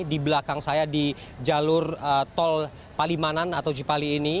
di belakang saya di jalur tol palimanan atau cipali ini